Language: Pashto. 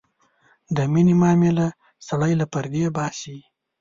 د مینې معامله سړی له پردې باسي.